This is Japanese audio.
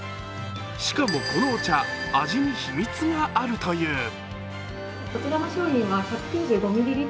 しかもこのお茶、味に秘密があるという。